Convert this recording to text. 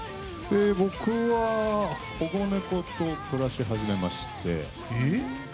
僕は保護猫と暮らし始めまして。